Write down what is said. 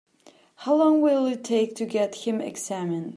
How long will it take to get him examined?